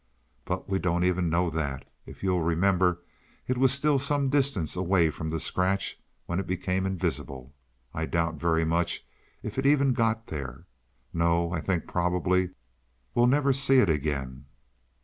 But we don't even know that. If you'll remember it was still some distance away from the scratch when it became invisible; I doubt very much if it even got there. No, I think probably we'll never see it again."